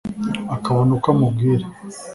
akabona uko amubwira